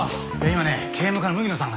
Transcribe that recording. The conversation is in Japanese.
今ね警務課の麦野さん